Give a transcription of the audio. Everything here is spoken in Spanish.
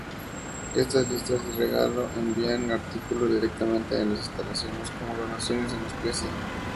Estas listas de regalo envían artículos directamente a las instalaciones como donaciones en especie.